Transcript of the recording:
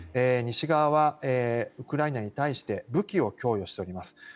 西側はウクライナに対して武器を供与しております。